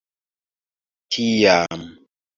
tiam